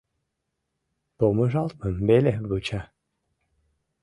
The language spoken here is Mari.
Помыжалтмым веле вуча.